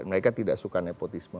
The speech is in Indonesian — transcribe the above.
mereka tidak suka nepotisme